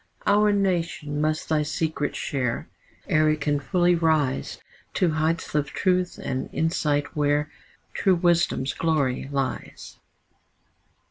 Our nation must thy secret share, Ere it can fully rise To heights of truth and insight where True wisdom's glory lies.